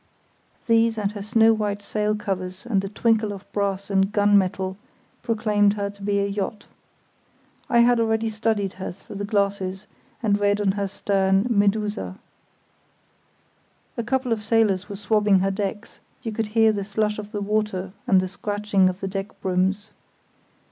These, and her snow white sailcovers and the twinkle of brass and gun metal, proclaimed her to be a yacht. I had already studied her through the glasses and read on her stern Medusa. A couple of sailors were swabbing her decks; you could hear the slush of the water and the scratching of the deck brooms.